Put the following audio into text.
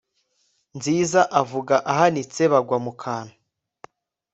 nziza avuga ahunitse bagwa mu kantu